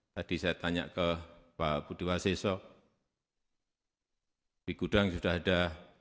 tadi saya tanya ke pak budiwaseso di gudang sudah ada satu enam